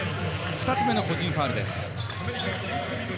２つ目の個人ファウルです。